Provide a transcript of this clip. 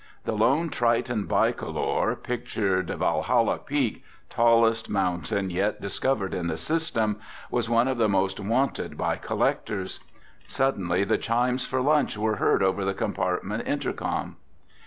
The lone Triton bi color, picturing Valhalla Peak, tallest mountain yet discovered in the System, was one of the most wanted by collectors. Suddenly the chimes for lunch were heard over the compartment intercom.